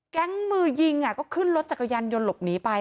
มือยิงก็ขึ้นรถจักรยานยนต์หลบหนีไป